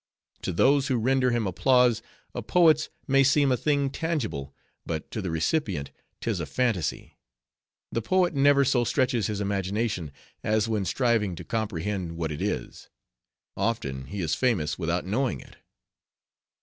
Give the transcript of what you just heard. To those who render him applause, a poet's may seem a thing tangible; but to the recipient, 'tis a fantasy; the poet never so stretches his imagination, as when striving to comprehend what it is; often, he is famous without knowing it."